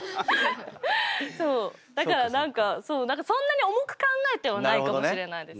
そうだから何かそんなに重く考えてはないかもしれないです。